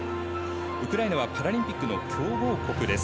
ウクライナはパラリンピックの強豪国です。